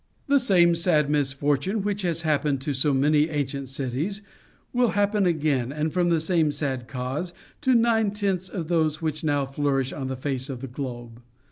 The same sad misfortune which has happened to so many ancient cities will happen again, and from the same sad cause, to nine tenths of those which now flourish on the face of the globe.